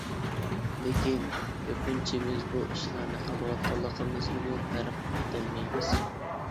لېكىن كۆپىنچىمىز بۇ ئىشلارنى قىلىۋاتقانلىقىمىزنىمۇ پەرق ئېتەلمەيمىز.